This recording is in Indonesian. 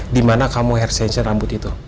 dimana kamu hair sensor rambut itu